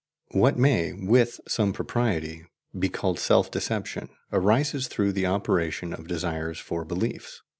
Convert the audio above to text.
What may, with some propriety, be called self deception arises through the operation of desires for beliefs.